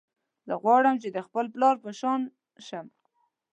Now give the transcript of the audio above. زه غواړم چې د خپل پلار په شان شم